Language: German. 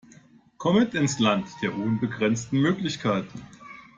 Kommt mit ins Land der unbegrenzten Möglichkeiten!